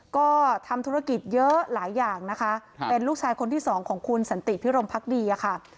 ก็ทำธุรกิจเยอะหลายอย่างนะคะเป็นลูกชายคนที่สองของคุณสันติพิรมพักดีอะค่ะ